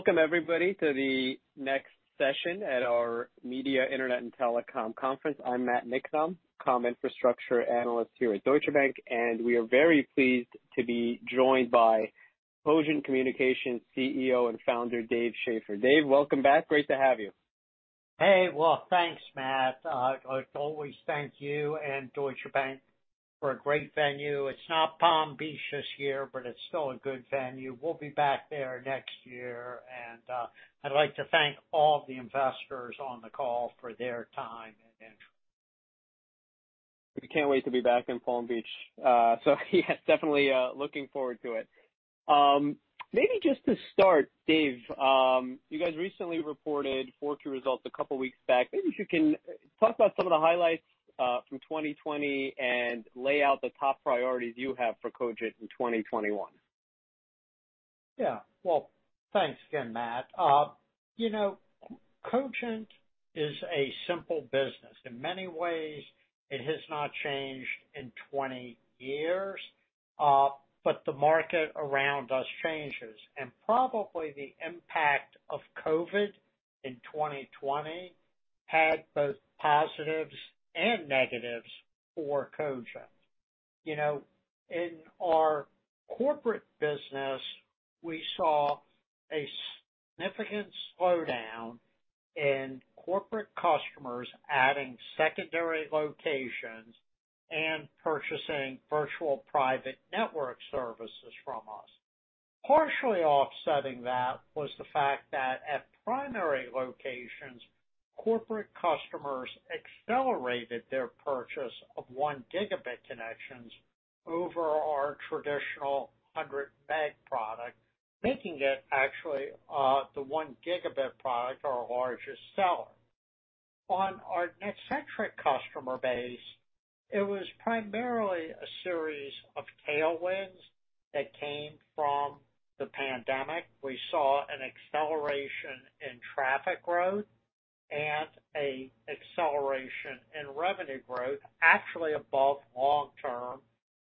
Welcome everybody to the next session at our Media, Internet & Telecom Conference. I'm Matt Niknam, Comm Infrastructure Analyst here at Deutsche Bank, and we are very pleased to be joined by Cogent Communications CEO and Founder, Dave Schaeffer. Dave, welcome back. Great to have you. Hey. Well, thanks, Matt. I always thank you and Deutsche Bank for a great venue. It's not Palm Beach this year, but it's still a good venue. We'll be back there next year. I'd like to thank all the investors on the call for their time and interest. We can't wait to be back in Palm Beach. Yes, definitely looking forward to it. Maybe just to start, Dave, you guys recently reported 4Q results a couple of weeks back. Maybe if you can talk about some of the highlights, from 2020 and lay out the top priorities you have for Cogent in 2021. Yeah. Well, thanks again, Matt. Cogent is a simple business. In many ways, it has not changed in 20 years, but the market around us changes, and probably the impact of COVID in 2020 had both positives and negatives for Cogent. In our corporate business, we saw a significant slowdown in corporate customers adding secondary locations and purchasing virtual private network services from us. Partially offsetting that was the fact that at primary locations, corporate customers accelerated their purchase of 1 Gb connections over our traditional 100 Mbps product, making it actually, the 1 Gb product our largest seller. On our NetCentric customer base, it was primarily a series of tailwinds that came from the pandemic. We saw an acceleration in traffic growth and a acceleration in revenue growth actually above long-term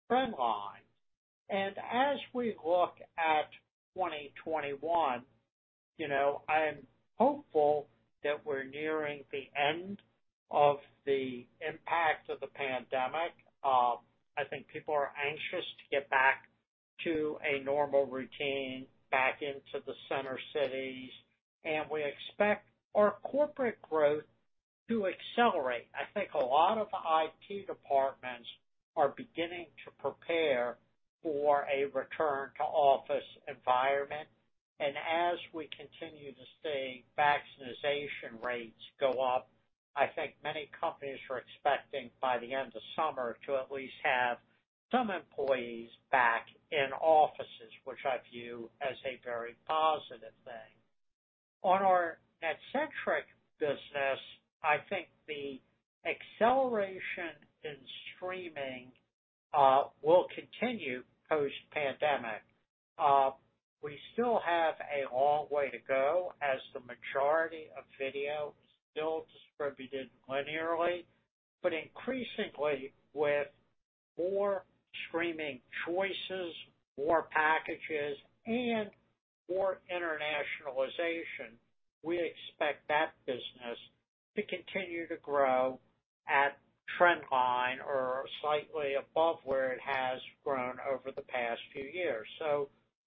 trend line. As we look at 2021, I am hopeful that we're nearing the end of the impact of the pandemic. I think people are anxious to get back to a normal routine, back into the center cities, and we expect our corporate growth to accelerate. I think a lot of IT departments are beginning to prepare for a return to office environment. As we continue to see vaccination rates go up, I think many companies are expecting by the end of summer to at least have some employees back in offices, which I view as a very positive thing. On our NetCentric business, I think the acceleration in streaming will continue post-pandemic. We still have a long way to go as the majority of video is still distributed linearly, but increasingly with more streaming choices, more packages, and more internationalization, we expect that business to continue to grow at trend line or slightly above where it has grown over the past few years.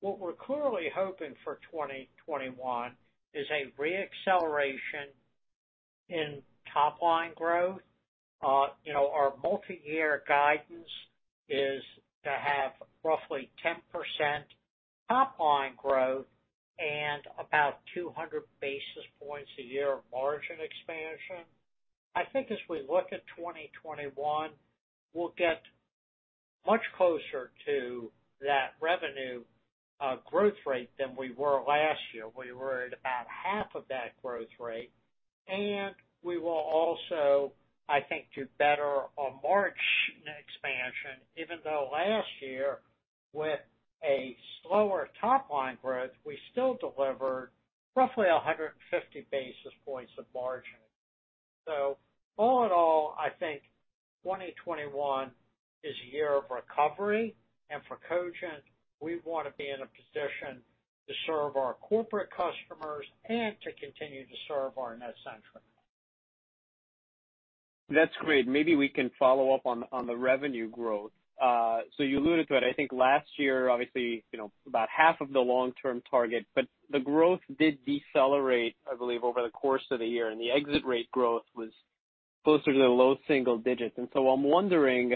What we're clearly hoping for 2021 is a re-acceleration in top line growth. Our multi-year guidance is to have roughly 10% top line growth and about 200 basis points a year of margin expansion. I think as we look at 2021, we'll get much closer to that revenue growth rate than we were last year. We were at about half of that growth rate, and we will also, I think, do better on margin expansion, even though last year with a slower top line growth, we still delivered roughly 150 basis points of margin. All in all, I think 2021 is a year of recovery, and for Cogent, we want to be in a position to serve our corporate customers and to continue to serve our NetCentric. That's great. Maybe we can follow up on the revenue growth. You alluded to it, I think last year, obviously, about half of the long-term target, but the growth did decelerate, I believe, over the course of the year, and the exit rate growth was closer to the low single digits. I'm wondering,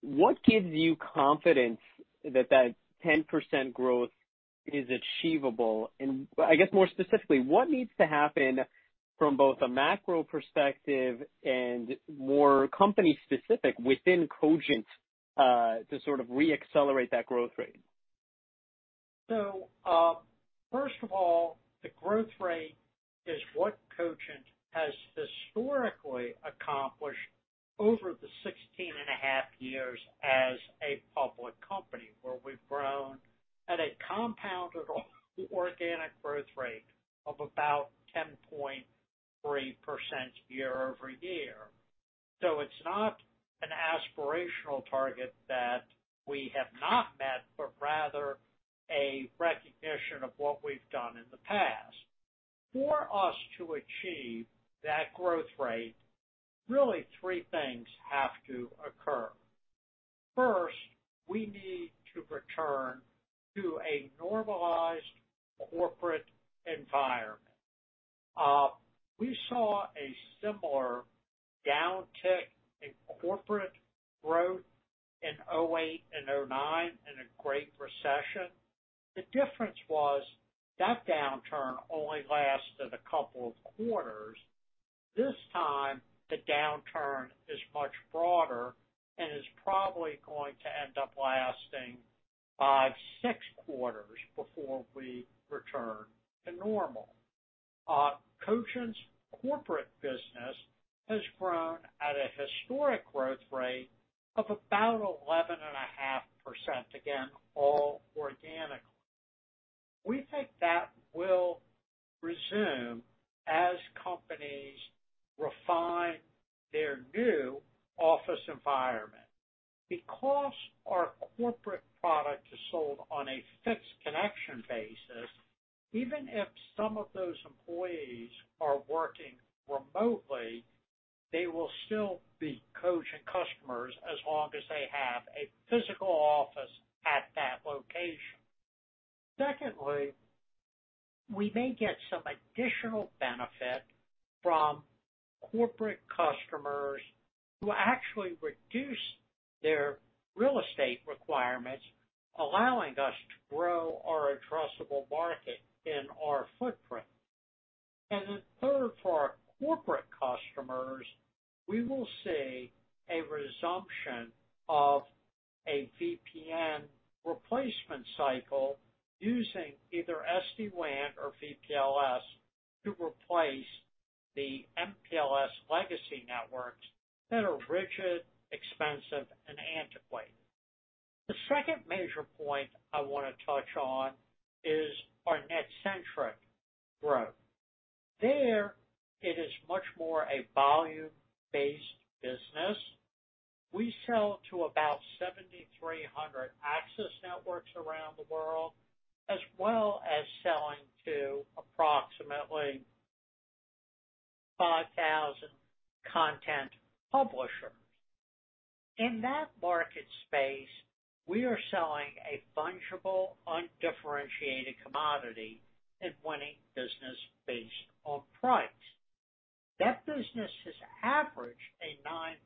what gives you confidence that that 10% growth is achievable? I guess more specifically, what needs to happen from both a macro perspective and more company specific within Cogent, to sort of re-accelerate that growth rate? First of all, the growth rate is what Cogent has historically accomplished over the 16.5 years as a public company, where we've grown at a compounded organic growth rate of about 10.3% year-over-year. It's not an aspirational target that we have not met, but rather a recognition of what we've done in the past. For us to achieve that growth rate, really three things have to occur. First, we need to return to a normalized corporate environment. We saw a similar downtick in corporate growth in 2008 and 2009 in a great recession. The difference was that downturn only lasted a couple of quarters. This time, the downturn is much broader and is probably going to end up lasting five, six quarters before we return to normal. Cogent's corporate business has grown at a historic growth rate of about 11.5%, again, all organically. We think that will resume as companies refine their new office environment. Because our corporate product is sold on a fixed connection basis, even if some of those employees are working remotely, they will still be Cogent customers as long as they have a physical office at that location. Secondly, we may get some additional benefit from corporate customers who actually reduce their real estate requirements, allowing us to grow our addressable market in our footprint. Third, for our corporate customers, we will see a resumption of a VPN replacement cycle using either SD-WAN or VPLS to replace the MPLS legacy networks that are rigid, expensive, and antiquated. The second major point I want to touch on is our NetCentric growth. There it is much more a volume-based business. We sell to about 7,300 access networks around the world, as well as selling to approximately 5,000 content publishers. In that market space, we are selling a fungible, undifferentiated commodity and winning business based on price. That business has averaged a 9%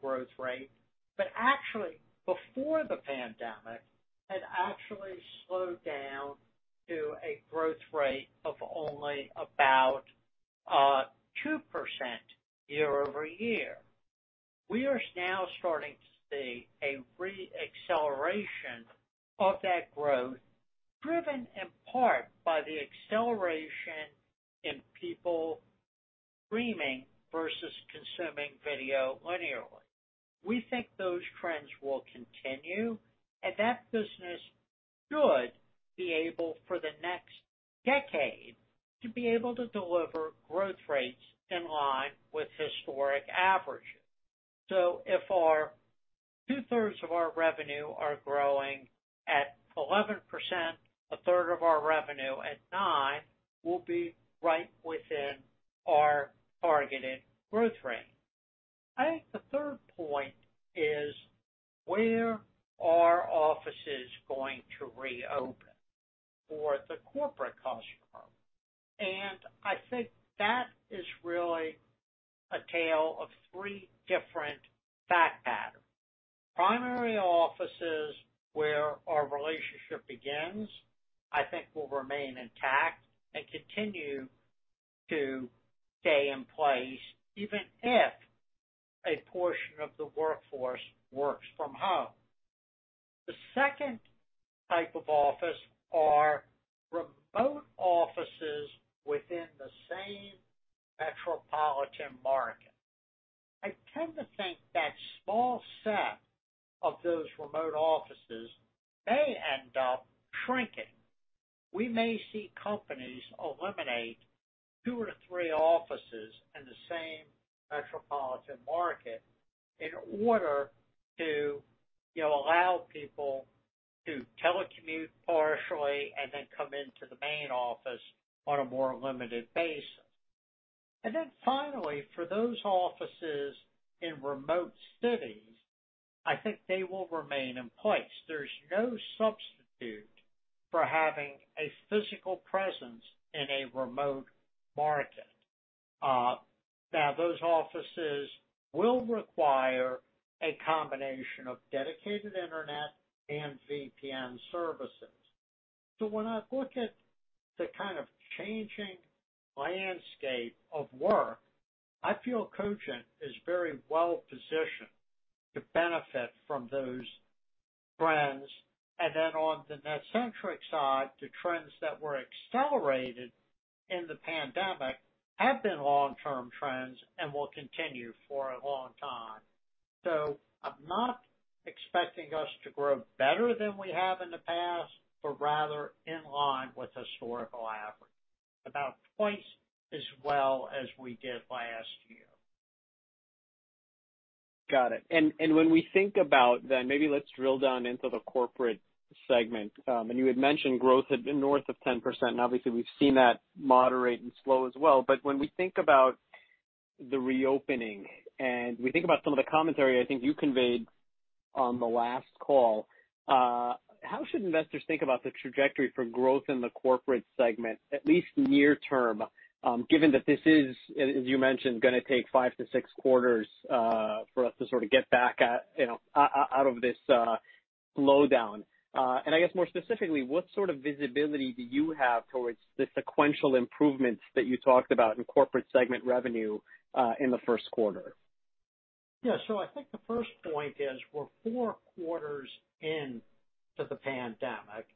growth rate, but actually before the pandemic, had actually slowed down to a growth rate of only about 2% year-over-year. We are now starting to see a re-acceleration of that growth, driven in part by the acceleration in people streaming versus consuming video linearly. We think those trends will continue, and that business should be able, for the next decade, to be able to deliver growth rates in line with historic averages. If our 2/3 of our revenue are growing at 11%, a 1/3 of our revenue at nine, we'll be right within our targeted growth rate. I think the third point is, where are offices going to reopen for the corporate customer? I think that is really a tale of three different fact patterns. Primary offices where our relationship begins, I think will remain intact and continue to stay in place even if a portion of the workforce works from home. The second type of office are remote offices within the same metropolitan market. I tend to think that small set of those remote offices may end up shrinking. We may see companies eliminate two to three offices in the same metropolitan market in order to allow people to telecommute partially, and then come into the main office on a more limited basis. Finally, for those offices in remote cities, I think they will remain in place. There's no substitute for having a physical presence in a remote market. Now, those offices will require a combination of dedicated internet and VPN services. When I look at the kind of changing landscape of work, I feel Cogent is very well positioned to benefit from those trends. On the NetCentric side, the trends that were accelerated in the pandemic have been long-term trends and will continue for a long time. I'm not- expecting us to grow better than we have in the past, but rather in line with historical average. About twice as well as we did last year. Got it. When we think about then, maybe let's drill down into the Corporate Segment. You had mentioned growth had been north of 10%, and obviously we've seen that moderate and slow as well. When we think about the reopening, and we think about some of the commentary I think you conveyed on the last call, how should investors think about the trajectory for growth in the Corporate Segment, at least near term? Given that this is, as you mentioned, going to take five to six quarters for us to sort of get back out of this slowdown. I guess more specifically, what sort of visibility do you have towards the sequential improvements that you talked about in Corporate Segment revenue, in the first quarter? Yeah. I think the first point is we're four quarters into the pandemic,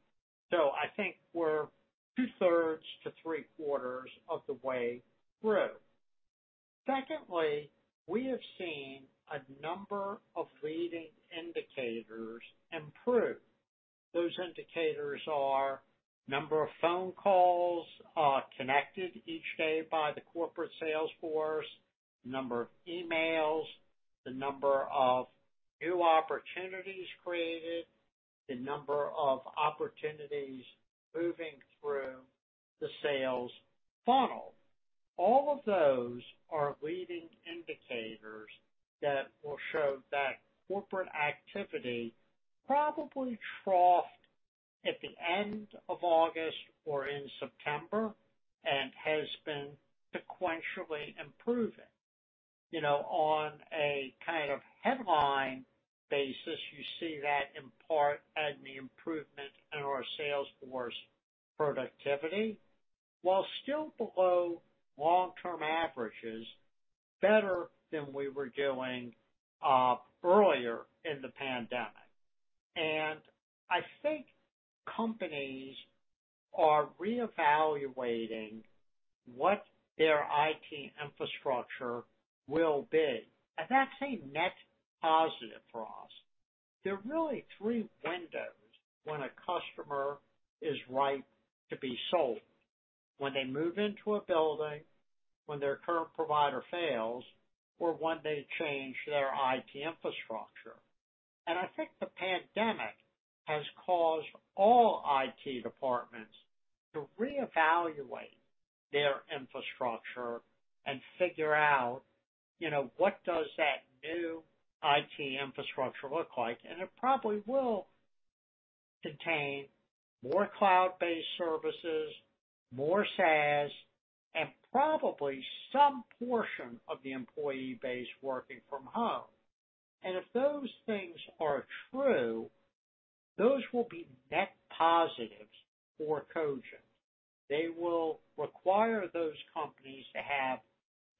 I think we're 2/3 to three-quarters of the way through. Secondly, we have seen a number of leading indicators improve. Those indicators are number of phone calls, connected each day by the corporate sales force, number of emails, the number of new opportunities created, the number of opportunities moving through the sales funnel. All of those are leading indicators that will show that corporate activity probably troughed at the end of August or in September and has been sequentially improving. On a kind of headline basis, you see that in part as the improvement in our sales force productivity, while still below long-term averages, better than we were doing earlier in the pandemic. I think companies are reevaluating what their IT infrastructure will be. That's a net positive for us. There are really three windows when a customer is right to be sold: when they move into a building, when their current provider fails, or when they change their IT infrastructure. I think the pandemic has caused all IT departments to reevaluate their infrastructure and figure out, what does that new IT infrastructure look like? It probably will contain more cloud-based services, more SaaS, and probably some portion of the employee base working from home. If those things are true, those will be net positives for Cogent. They will require those companies to have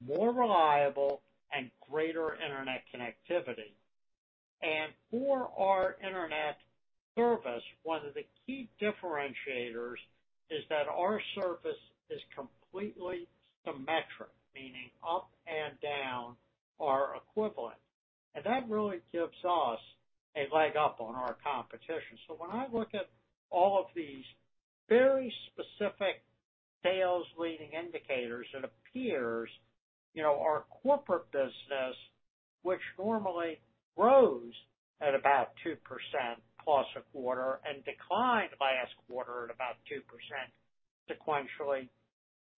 more reliable and greater internet connectivity. For our internet service, one of the key differentiators is that our service is completely symmetric, meaning up and down are equivalent. That really gives us a leg up on our competition. When I look at all of these very specific sales leading indicators, it appears, our corporate business, which normally grows at about 2% plus a quarter and declined by last quarter at about 2% sequentially,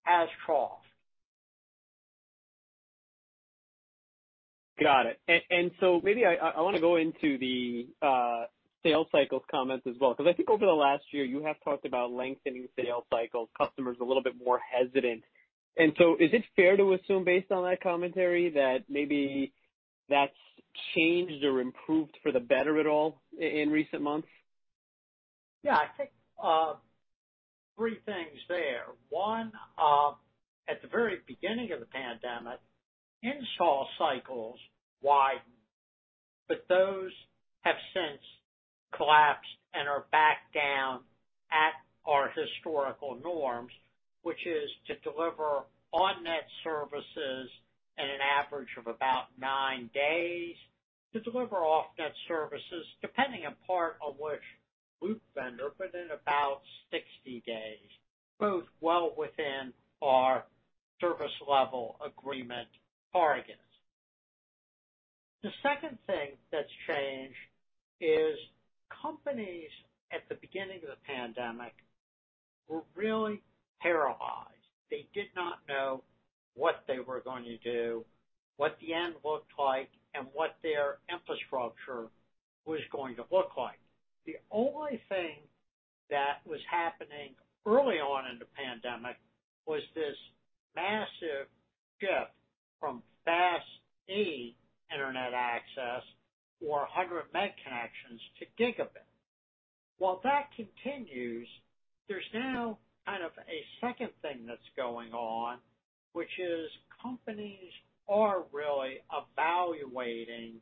has troughed. Got it. Maybe I want to go into the sales cycles comments as well, because I think over the last year, you have talked about lengthening sales cycles, customers a little bit more hesitant. Is it fair to assume based on that commentary that maybe that's changed or improved for the better at all in recent months? Yeah. I think, three things there. One, at the very beginning of the pandemic, install cycles widened, but those have since collapsed and are back down at our historical norms, which is to deliver on net services at an average of about nine days, to deliver off net services depending upon on which loop vendor, but in about 60 days, both well within our service level agreement targets. The second thing that's changed is companies at the beginning of the pandemic were really paralyzed. They did not know what they were going to do, what the end looked like, and what their infrastructure was going to look like. The only thing that was happening early on in the pandemic was this massive shift from FastE internet access or 100 Meg connections to Gb. While that continues, there's now kind of a second thing that's going on, which is companies are really evaluating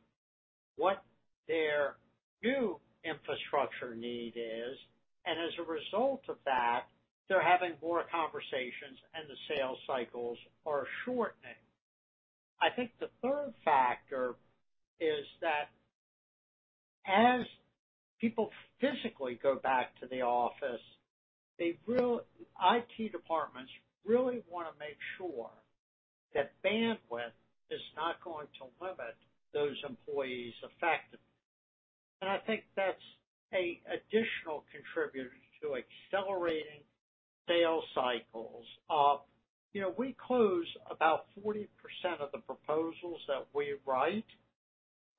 what their new infrastructure need is, and as a result of that, they're having more conversations and the sales cycles are shortening. I think the third factor is that as people physically go back to the office, IT departments really want to make sure that bandwidth is not going to limit those employees effectively. I think that's a additional contributor to accelerating sales cycles. We close about 40% of the proposals that we write.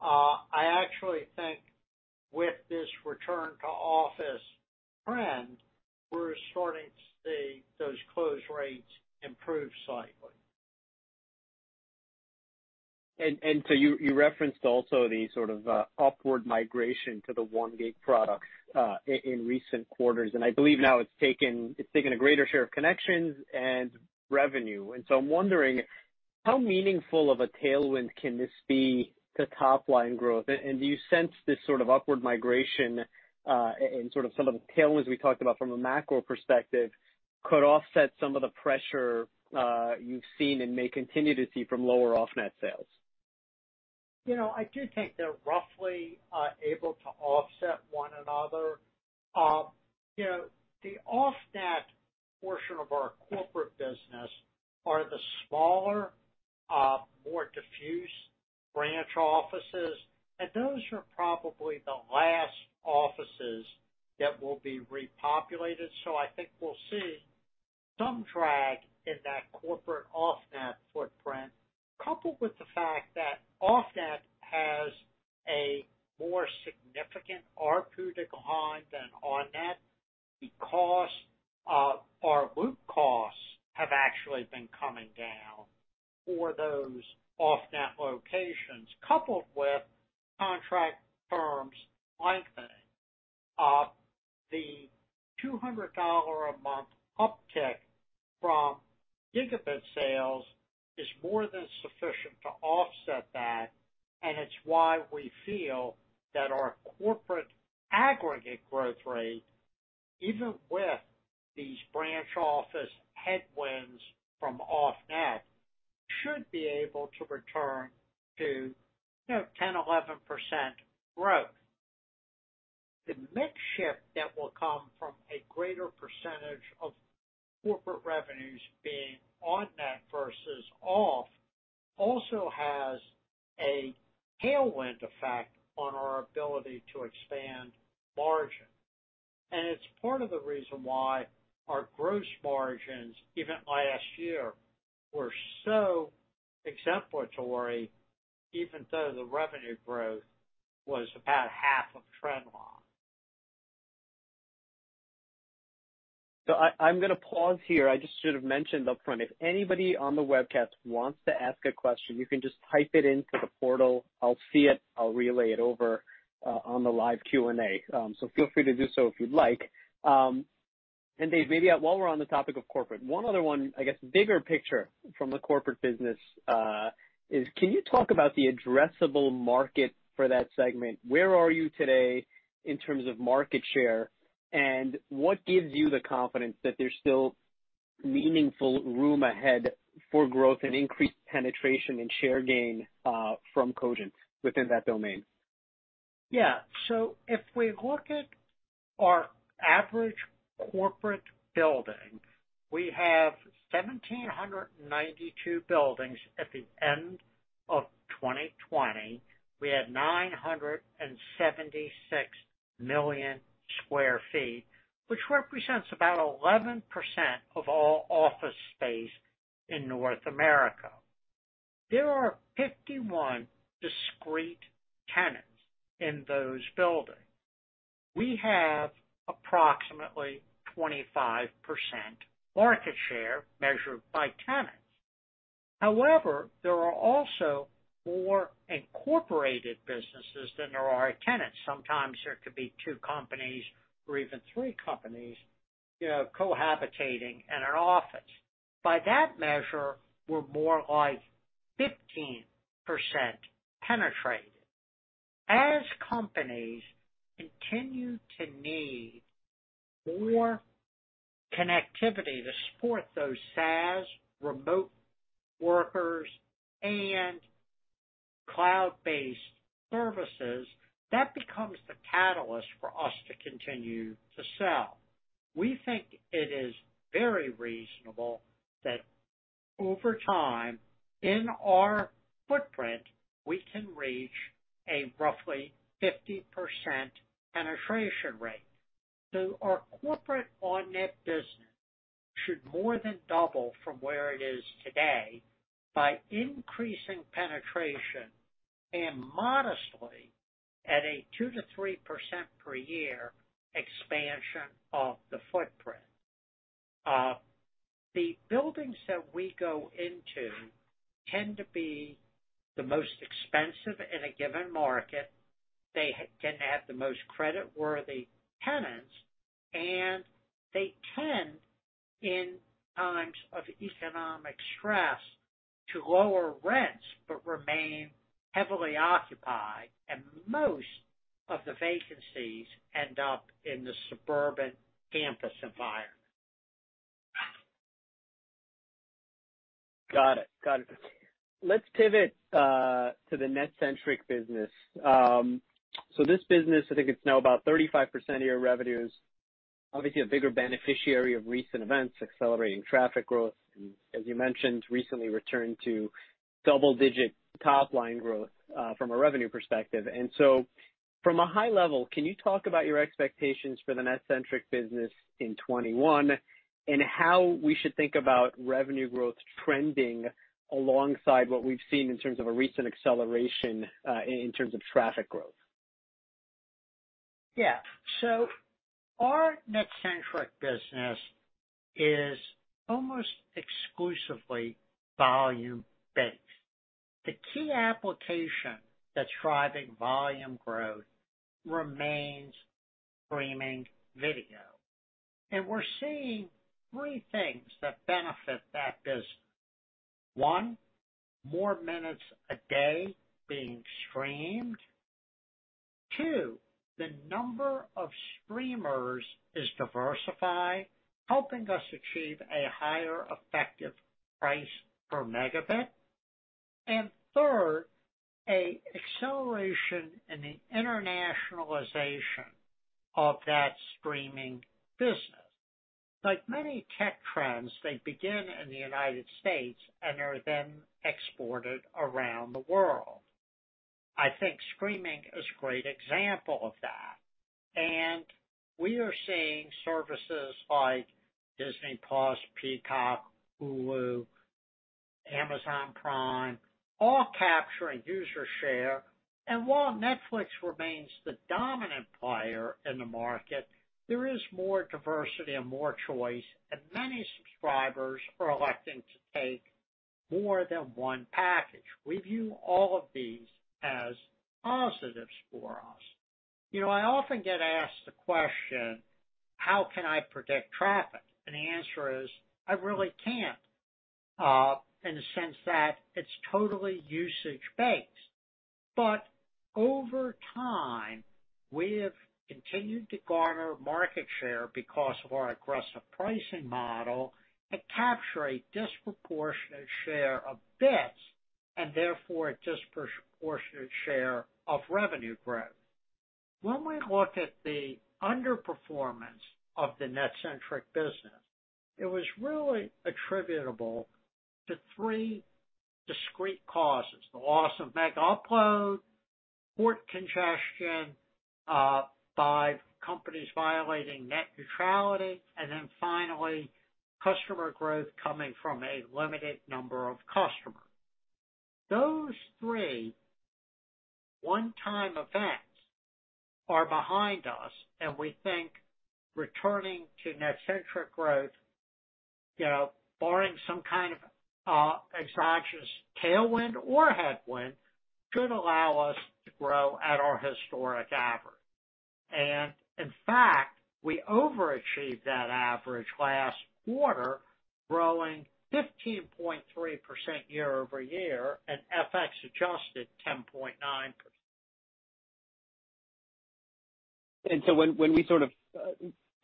I actually think with this return to office trend, we're starting to see those close rates improve slightly. You referenced also the sort of upward migration to the one gig products, in recent quarters, and I believe now it's taken a greater share of connections and revenue. I'm wondering, how meaningful of a tailwind can this be to top line growth? Do you sense this sort of upward migration, and sort of some of the tailwinds we talked about from a macro perspective, could offset some of the pressure you've seen and may continue to see from lower off-net sales? I do think they're roughly able to offset one another. The off-net portion of our corporate business are the smaller, more diffuse branch offices. Those are probably the last offices that will be repopulated. I think we'll see some drag in that corporate off-net footprint, coupled with the fact that off-net has a more significant ARPU decline than on-net because our loop costs have actually been coming down for those off-net locations, coupled with contract terms lengthening. The $200 a month uptick from Gb sales is more than sufficient to offset that. It's why we feel that our corporate aggregate growth rate, even with these branch office headwinds from off-net, should be able to return to 10-11% growth. The mix shift that will come from a greater percentage of corporate revenues being on-net versus off also has a tailwind effect on our ability to expand margin. It's part of the reason why our gross margins, even last year, were so exemplary, even though the revenue growth was about half of trend line. I'm going to pause here. I just should have mentioned upfront, if anybody on the webcast wants to ask a question, you can just type it into the portal. I'll see it, I'll relay it over on the live Q&A. Feel free to do so if you'd like. Dave, maybe while we're on the topic of corporate, one other one, I guess bigger picture from the corporate business, is can you talk about the addressable market for that segment? Where are you today in terms of market share, and what gives you the confidence that there's still meaningful room ahead for growth and increased penetration and share gain, from Cogent within that domain? Yeah. If we look at our average corporate building, we have 1,792 buildings at the end of 2020. We had 976 million square feet, which represents about 11% of all office space in North America. There are 51 discrete tenants in those buildings. We have approximately 25% market share measured by tenants. However, there are also more incorporated businesses than there are tenants. Sometimes there could be two companies or even three companies cohabitating in an office. By that measure, we're more like 15% penetrated. As companies continue to need more connectivity to support those SaaS remote workers and cloud-based services, that becomes the catalyst for us to continue to sell. We think it is very reasonable that over time, in our footprint, we can reach a roughly 50% penetration rate. Our corporate on-net business should more than double from where it is today by increasing penetration and modestly at a 2%-3% per year expansion of the footprint. The buildings that we go into tend to be the most expensive in a given market. They tend to have the most creditworthy tenants, and they tend, in times of economic stress, to lower rents but remain heavily occupied, and most of the vacancies end up in the suburban campus environment. Got it. Let's pivot to the NetCentric business. This business, I think it's now about 35% of your revenue, is obviously a bigger beneficiary of recent events, accelerating traffic growth, and as you mentioned, recently returned to double-digit top-line growth from a revenue perspective. From a high level, can you talk about your expectations for the NetCentric business in 2021, and how we should think about revenue growth trending alongside what we've seen in terms of a recent acceleration in terms of traffic growth? Our NetCentric business is almost exclusively volume-based. The key application that's driving volume growth remains streaming video. We're seeing three things that benefit that business. One, more minutes a day being streamed. Two, the number of streamers is diversified, helping us achieve a higher effective price per megabit. Third, an acceleration in the internationalization of that streaming business. Like many tech trends, they begin in the U.S. and are then exported around the world. I think streaming is a great example of that. We are seeing services like Disney+, Peacock, Hulu, Amazon Prime, all capturing user share. While Netflix remains the dominant player in the market, there is more diversity and more choice, and many subscribers are electing to take more than one package. We view all of these as positives for us. I often get asked the question, how can I predict traffic? The answer is, I really can't, in the sense that it's totally usage-based. Over time, we have continued to garner market share because of our aggressive pricing model that capture a disproportionate share of bits, and therefore a disproportionate share of revenue growth. When we look at the underperformance of the NetCentric business, it was really attributable to three discrete causes. The loss of Megaupload, port congestion by companies violating net neutrality, and then finally, customer growth coming from a limited number of customers. Those three one-time events are behind us. We think returning to NetCentric growth, barring some kind of exogenous tailwind or headwind, should allow us to grow at our historic average. In fact, we overachieved that average last quarter, growing 15.3% year-over-year, and FX adjusted 10.9%. When we sort of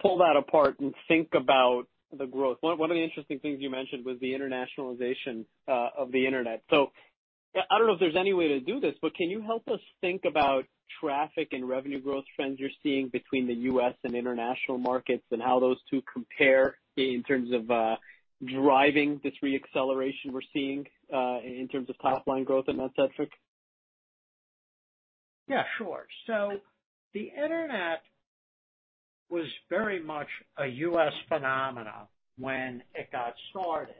pull that apart and think about the growth, one of the interesting things you mentioned was the internationalization of the Internet. I don't know if there's any way to do this, but can you help us think about traffic and revenue growth trends you're seeing between the U.S. and international markets, and how those two compare in terms of driving this re-acceleration we're seeing in terms of top-line growth in NetCentric? Yeah, sure. The Internet was very much a U.S. phenomenon when it got started.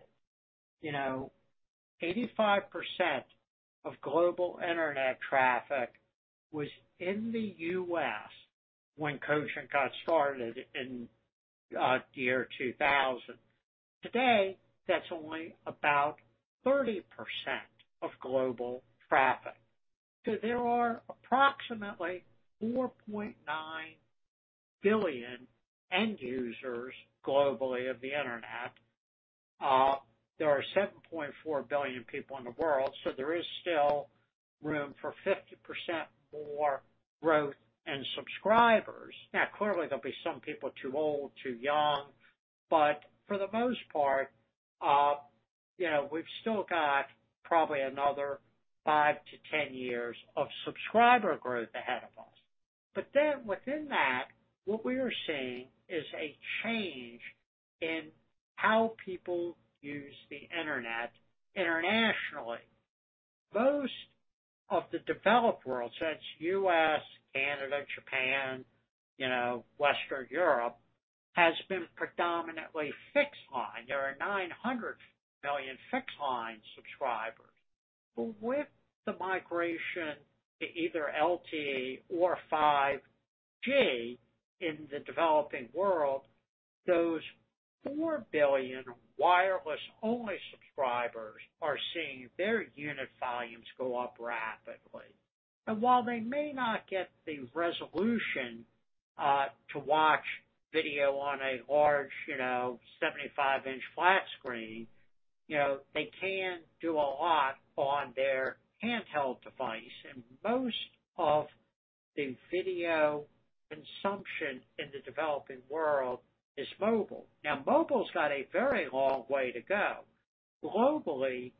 85% of global Internet traffic was in the U.S. when Cogent got started in year 2000. Today, that's only about 30% of global traffic. There are approximately 4.9 billion end users globally of the Internet. There are 7.4 billion people in the world, there is still room for 50% more growth and subscribers. Clearly there'll be some people too old, too young, but for the most part, we've still got probably another 5-10 years of subscriber growth ahead of us. Within that, what we are seeing is a change in how people use the Internet internationally. Most of the developed world, such as U.S., Canada, Japan, Western Europe, has been predominantly fixed line. There are 900 million fixed line subscribers. With the migration to either LTE or 5G in the developing world, those 4 billion wireless-only subscribers are seeing their unit volumes go up rapidly. While they may not get the resolution to watch video on a large 75-inch flat screen, they can do a lot on their handheld device. Most of the video consumption in the developing world is mobile. Now, mobile's got a very long way to go. Globally,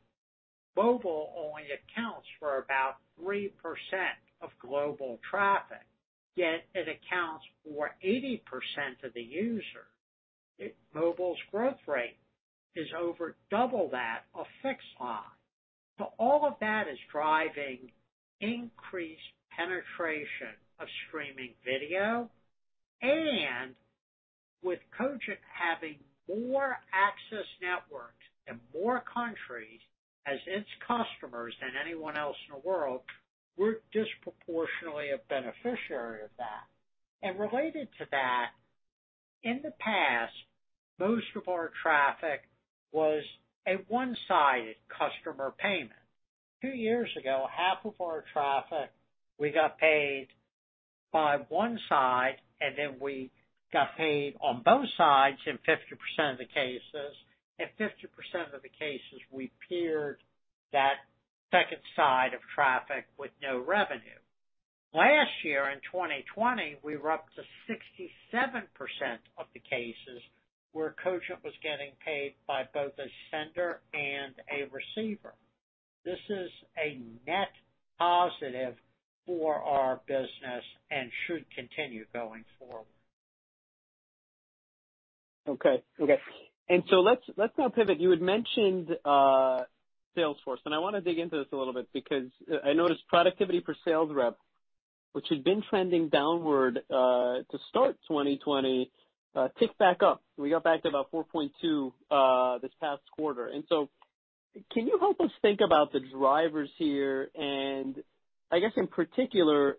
mobile only accounts for about 3% of global traffic, yet it accounts for 80% of the users. Mobile's growth rate is over double that of fixed line. All of that is driving increased penetration of streaming video, and with Cogent having more access networks in more countries as its customers than anyone else in the world, we're disproportionately a beneficiary of that. Related to that, in the past, most of our traffic was a one-sided customer payment. Two years ago, half of our traffic, we got paid by one side, and then we got paid on both sides in 50% of the cases. In 50% of the cases, we peered that second side of traffic with no revenue. Last year, in 2020, we were up to 67% of the cases where Cogent was getting paid by both a sender and a receiver. This is a net positive for our business and should continue going forward. Okay. Let's now pivot. You had mentioned sales force, and I want to dig into this a little bit because I noticed productivity per sales rep, which had been trending downward to start 2020, tick back up. We got back to about 4.2x this past quarter. Can you help us think about the drivers here and I guess in particular,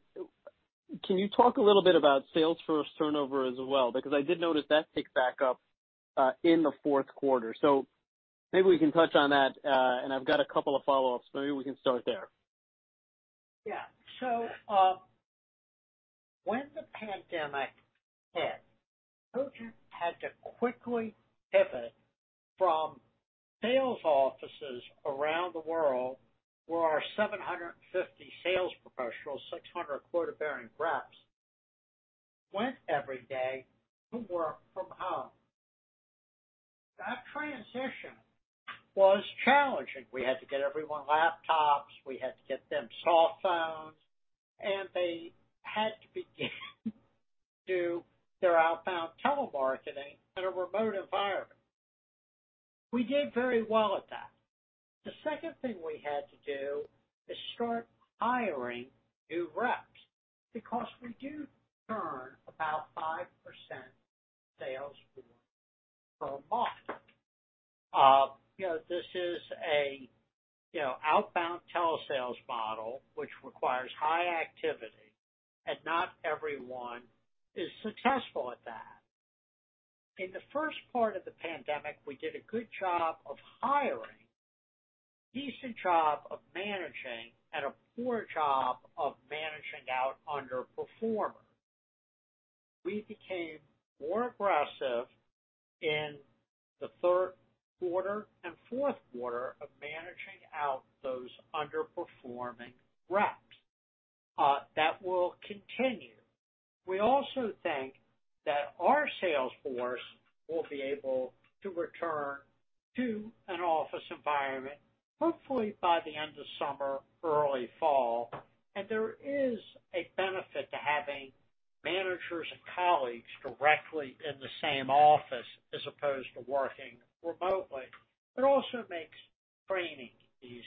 can you talk a little bit about sales force turnover as well? Because I did notice that tick back up, in the fourth quarter. Maybe we can touch on that, and I've got a couple of follow-ups. Maybe we can start there. Yeah. When the pandemic hit, Cogent had to quickly pivot from sales offices around the world, where our 750 sales professionals, 600 quota-bearing reps, went every day to work from home. That transition was challenging. We had to get everyone laptops, we had to get them soft phones, and they had to begin do their outbound telemarketing in a remote environment. We did very well at that. The second thing we had to do is start hiring new reps because we do turn about 5% sales force per month. This is a outbound telesales model which requires high activity, and not everyone is successful at that. In the first part of the pandemic, we did a good job of hiring, decent job of managing, and a poor job of managing out underperformers. We became more aggressive in the third quarter and fourth quarter of managing out those underperforming reps. That will continue. We also think that our sales force will be able to return to an office environment, hopefully by the end of summer or early fall, and there is a benefit to having managers and colleagues directly in the same office as opposed to working remotely. It also makes training easier.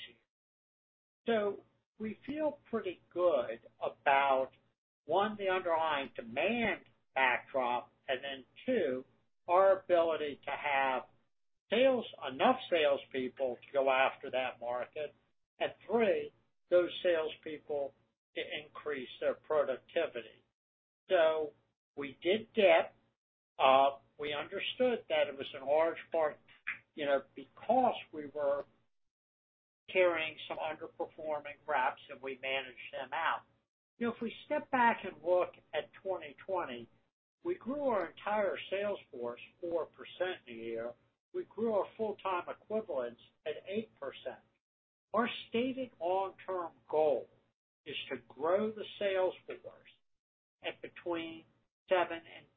We feel pretty good about, one, the underlying demand backdrop, two, our ability to have enough salespeople to go after that market, three, those salespeople to increase their productivity. We understood that it was in large part because we were carrying some underperforming reps and we managed them out. If we step back and look at 2020, we grew our entire sales force 4% in a year. We grew our full-time equivalents at 8%. Our stated long-term goal is to grow the sales force at between 7%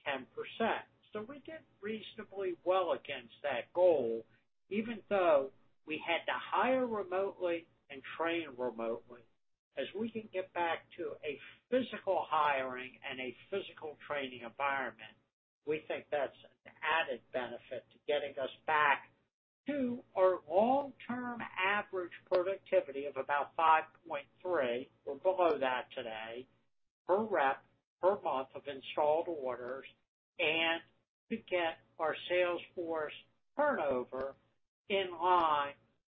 and 10%. We did reasonably well against that goal, even though we had to hire remotely and train remotely. As we can get back to a physical hiring and a physical training environment, we think that's an added benefit to getting us back to our long-term average productivity of about 5.3%, we're below that today, per rep, per month of installed orders, and to get our sales force turnover in line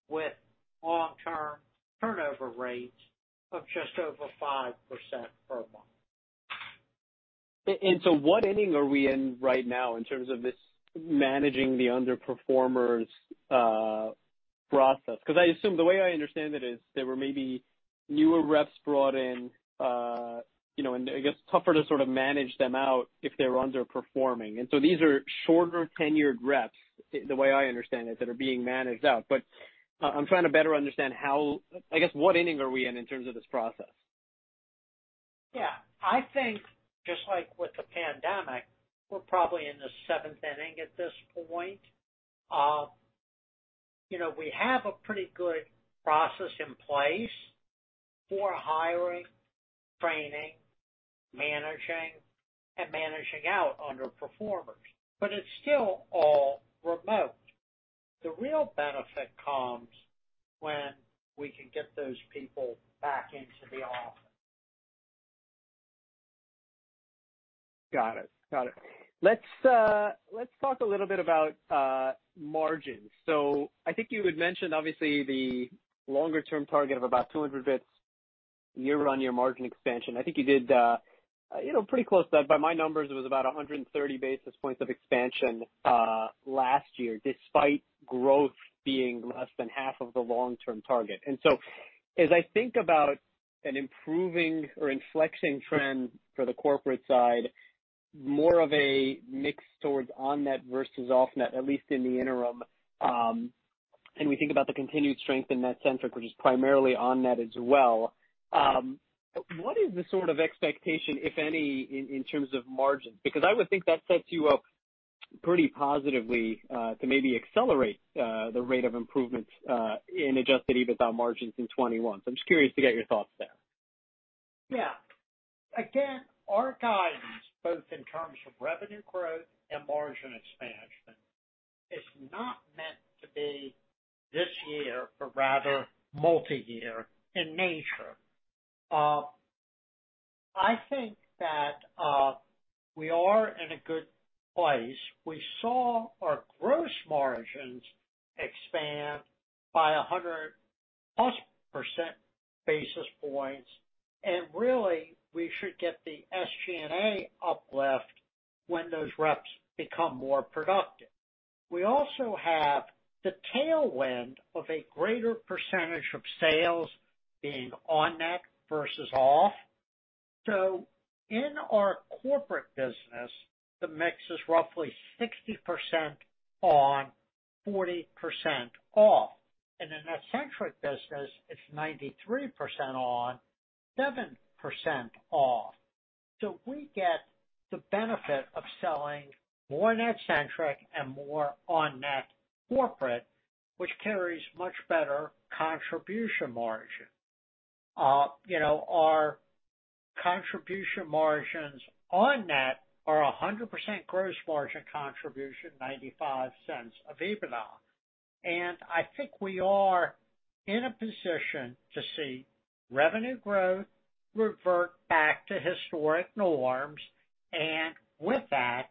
with long-term turnover rates of just over 5% per month. What inning are we in right now in terms of this managing the underperformers process? I assume the way I understand it is there were maybe newer reps brought in, and I guess tougher to sort of manage them out if they're underperforming. These are shorter-tenured reps, the way I understand it, that are being managed out. I'm trying to better understand I guess, what inning are we in terms of this process? Yeah. I think, just like with the pandemic, we're probably in the seventh inning at this point. We have a pretty good process in place for hiring, training, managing, and managing out underperformers, but it's still all remote. The real benefit comes when we can get those people back into the office. Got it. Let's talk a little bit about margins. I think you had mentioned, obviously, the longer-term target of about 200 basis points year-on-year margin expansion. I think you did pretty close to that. By my numbers, it was about 130 basis points of expansion last year, despite growth being less than half of the long-term target. As I think about an improving or inflection trend for the corporate side, more of a mix towards on-net versus off-net, at least in the interim, and we think about the continued strength in NetCentric, which is primarily on-net as well, what is the sort of expectation, if any, in terms of margin? Because I would think that sets you up pretty positively to maybe accelerate the rate of improvements in adjusted EBITDA margins in 2021. I'm just curious to get your thoughts there. Yeah. Again, our guidance, both in terms of revenue growth and margin expansion, is not meant to be this year, but rather multi-year in nature. I think that we are in a good place. We saw our gross margins expand by 100%+ basis points, and really, we should get the SG&A uplift when those reps become more productive. We also have the tailwind of a greater percentage of sales being on-net versus off. In our corporate business, the mix is roughly 60% on, 40% off. In NetCentric business, it's 93% on, 7% off. We get the benefit of selling more NetCentric and more on-net corporate, which carries much better contribution margin. Our contribution margins on-net are 100% gross margin contribution, $0.95 of EBITDA. I think we are in a position to see revenue growth revert back to historic norms, and with that,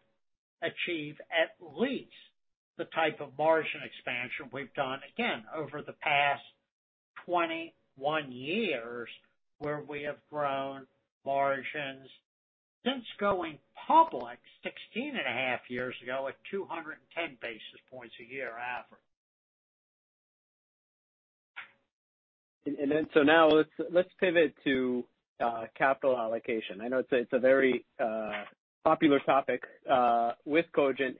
achieve at least the type of margin expansion we've done, again, over the past 21 years, where we have grown margins since going public 16.5 years ago at 210 basis points a year average. Now let's pivot to capital allocation. I know it's a very popular topic with Cogent,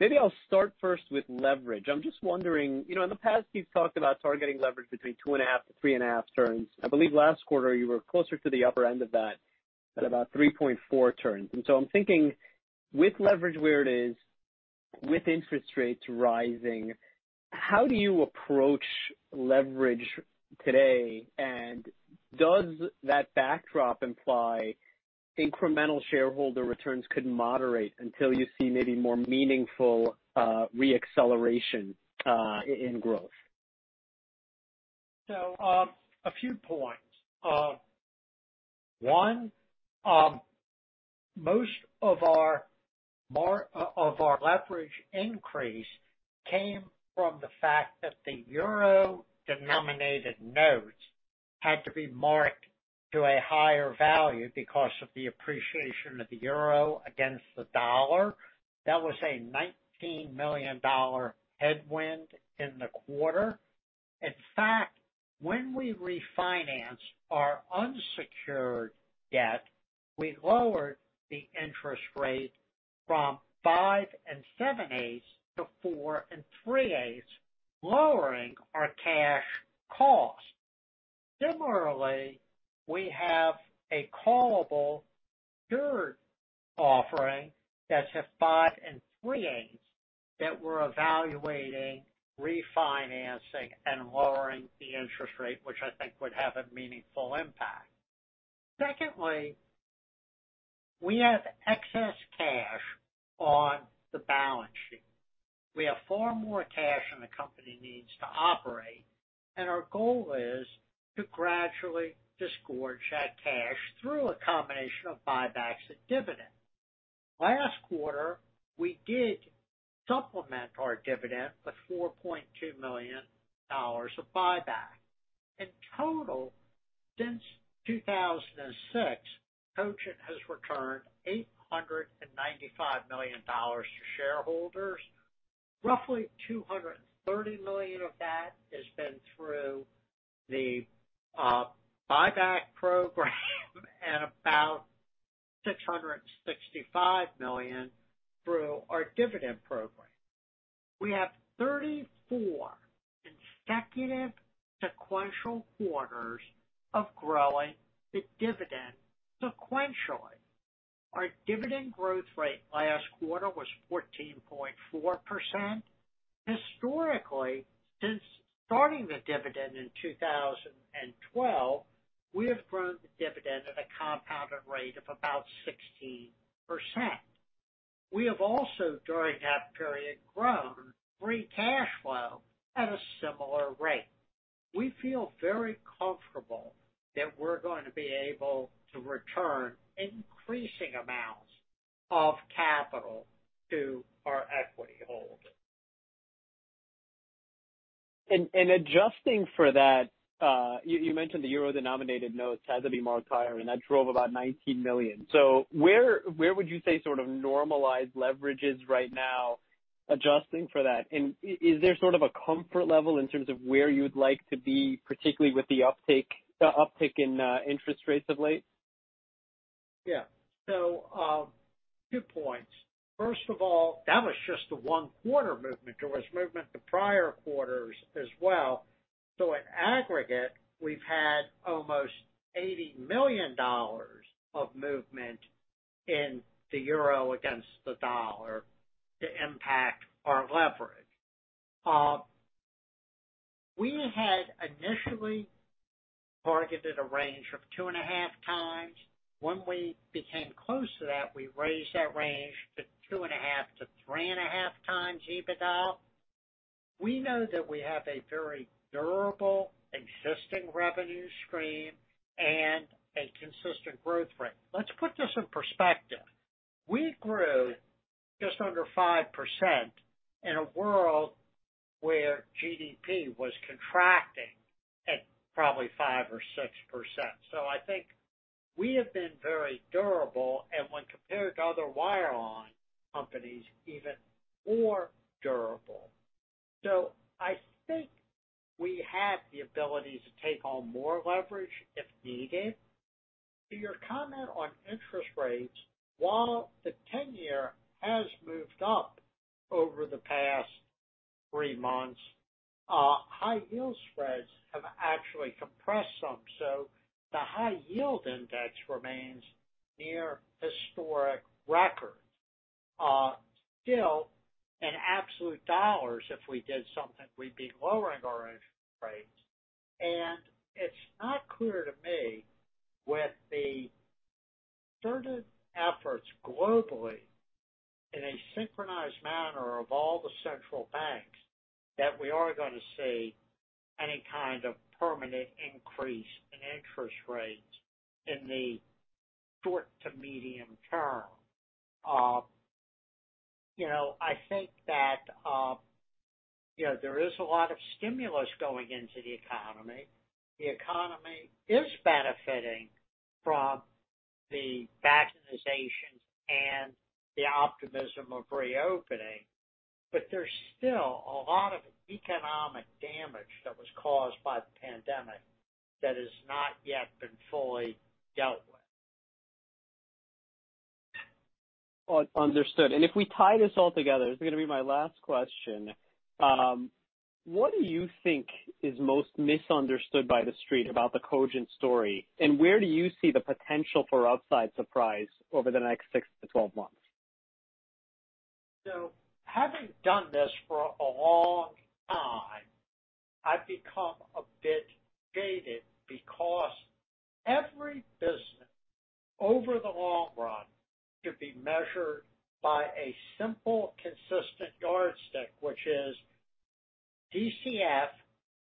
maybe I'll start first with leverage. I'm just wondering, in the past, you've talked about targeting leverage between 2.5x-3.5x. I believe last quarter you were closer to the upper end of that at about 3.4x. I'm thinking with leverage where it is, with interest rates rising, how do you approach leverage today? Does that backdrop imply incremental shareholder returns could moderate until you see maybe more meaningful re-acceleration in growth? A few points. One, most of our leverage increase came from the fact that the euro-denominated notes had to be marked to a higher value because of the appreciation of the euro against the dollar. That was a $19 million headwind in the quarter. In fact, when we refinanced our unsecured debt, we lowered the interest rate from five and seven eighths to four and three eighths, lowering our cash cost. Similarly, we have a callable third offering that's at five and three eighths that we're evaluating refinancing and lowering the interest rate, which I think would have a meaningful impact. Secondly, we have excess cash on the balance sheet. We have far more cash than the company needs to operate, and our goal is to gradually disgorge that cash through a combination of buybacks and dividend. Last quarter, we did supplement our dividend with $4.2 million of buyback. In total, since 2006, Cogent has returned $895 million to shareholders. Roughly $230 million of that has been through the buyback program and $665 million through our dividend program. We have 34 consecutive sequential quarters of growing the dividend sequentially. Our dividend growth rate last quarter was 14.4%. Historically, since starting the dividend in 2012, we have grown the dividend at a compounded rate of about 16%. We have also, during that period, grown free cash flow at a similar rate. We feel very comfortable that we're going to be able to return increasing amounts of capital to our equity holders. Adjusting for that, you mentioned the euro-denominated notes had to be marked higher, and that drove about $19 million. Where would you say normalized leverage is right now, adjusting for that? Is there a comfort level in terms of where you'd like to be, particularly with the uptick in interest rates of late? Yeah. Two points. First of all, that was just the one quarter movement. There was movement the prior quarters as well. In aggregate, we've had almost $80 million of movement in the euro against the dollar to impact our leverage. We had initially targeted a range of 2.5x. When we became close to that, we raised that range to 2.5x-3.5x EBITDA. We know that we have a very durable existing revenue stream and a consistent growth rate. Let's put this in perspective. We grew just under 5% in a world where GDP was contracting at probably 5% or 6%. I think we have been very durable, and when compared to other wireline companies, even more durable. I think we have the ability to take on more leverage if needed. To your comment on interest rates, while the 10-year has moved up over the past three months, high yield spreads have actually compressed some. The high yield index remains near historic records. Still, in absolute US dollars, if we did something, we'd be lowering our interest rates. It's not clear to me with the concerted efforts globally in a synchronized manner of all the central banks, that we are gonna see any kind of permanent increase in interest rates in the short to medium term. I think that there is a lot of stimulus going into the economy. The economy is benefiting from the vaccinations and the optimism of reopening, but there's still a lot of economic damage that was caused by the pandemic that has not yet been fully dealt with. Understood. If we tie this all together, this is gonna be my last question. What do you think is most misunderstood by the Street about the Cogent story, and where do you see the potential for upside surprise over the next 6-12 months? Having done this for a long time, I've become a bit jaded because every business, over the long run, could be measured by a simple, consistent yardstick, which is DCF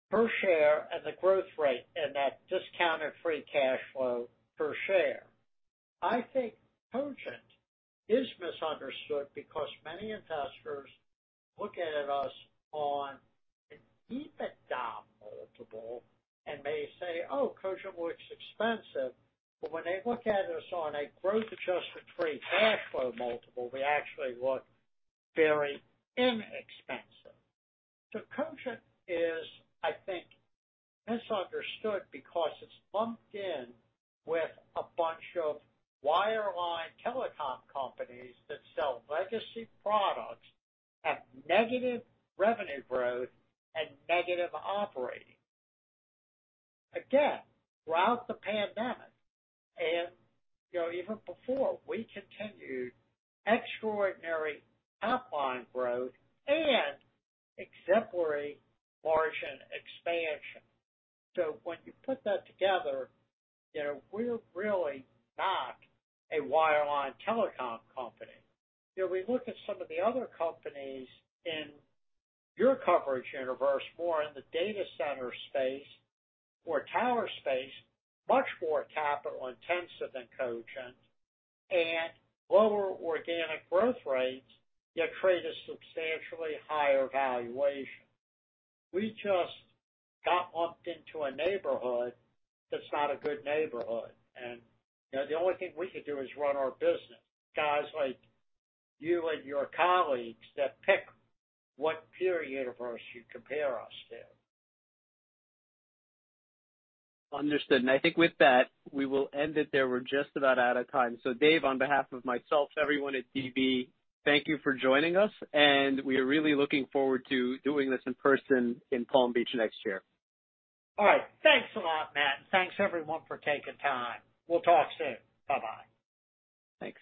per share and the growth rate in that discounted free cash flow per share. I think Cogent is misunderstood because many investors look at us on an EBITDA multiple and may say, "Oh, Cogent looks expensive." When they look at us on a growth-adjusted free cash flow multiple, we actually look very inexpensive. Cogent is, I think, misunderstood because it's lumped in with a bunch of wireline telecom companies that sell legacy products at negative revenue growth and negative operating. Again, throughout the pandemic, and even before, we continued extraordinary top-line growth and exemplary margin expansion. When you put that together, we're really not a wireline telecom company. We look at some of the other companies in your coverage universe, more in the data center space or tower space, much more capital intensive than Cogent and lower organic growth rates, yet trade a substantially higher valuation. We just got lumped into a neighborhood that's not a good neighborhood, and the only thing we can do is run our business. Guys like you and your colleagues that pick what peer universe you compare us to. Understood. I think with that, we will end it there. We're just about out of time. Dave, on behalf of myself, everyone at DB, thank you for joining us, and we are really looking forward to doing this in person in Palm Beach next year. All right. Thanks a lot, Matt, and thanks everyone for taking time. We'll talk soon. Bye-bye. Thanks.